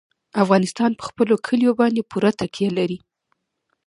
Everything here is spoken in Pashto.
افغانستان په خپلو کلیو باندې پوره تکیه لري.